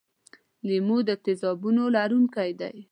لیمو د تیزابونو لرونکی دی.